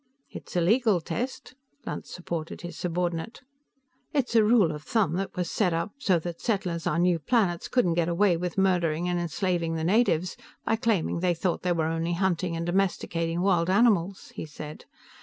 "It's a legal test." Lunt supported his subordinate. "It's a rule of thumb that was set up so that settlers on new planets couldn't get away with murdering and enslaving the natives by claiming they thought they were only hunting and domesticating wild animals," he said.